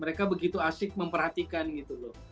mereka begitu asik memperhatikan gitu loh